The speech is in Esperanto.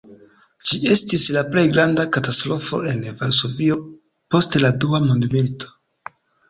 Ĝi estis la plej granda katastrofo en Varsovio post la dua mondmilito.